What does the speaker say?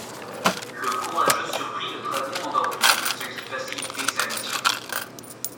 Le courageux surprit le dragon endormi, ce qui facilitait sa mission.